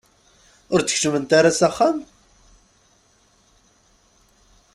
Ur d-keččment ara s axxam?